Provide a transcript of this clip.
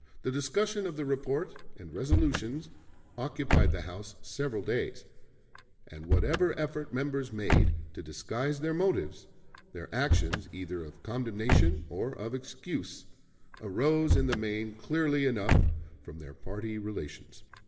The discussion of the report and resolutions occupied the House several days, and whatever effort members made to disguise their motives, their actions, either of condemnation or of excuse, arose in the main clearly enough from their party relations.